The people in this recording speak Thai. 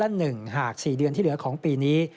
ไม่เกินร้อยละ๑หาก๔เดือนที่เหลือของปีนี้